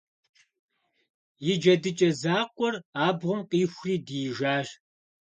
И джэдыкӀэ закъуэр абгъуэм къихури диижащ.